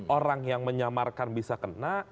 orang yang menyamarkan bisa kena